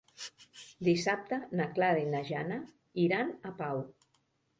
Dissabte na Clara i na Jana iran a Pau.